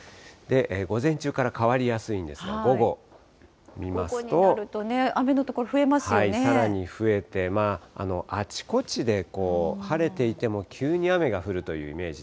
午前中から変わりやすいんですが、午後になるとね、雨の所増えさらに増えて、あちこちで、晴れていても急に雨が降るというイメージ。